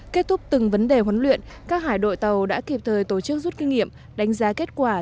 kết thúc từng vấn đề huấn luyện các hải đội tàu đã kịp thời tổ chức rút kinh nghiệm đánh giá kết quả